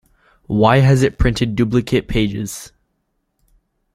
Why has it printed duplicate pages?